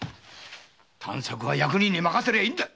探索は役人に任せりゃいいんだ！